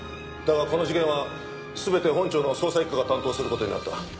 だがこの事件は全て本庁の捜査一課が担当する事になった。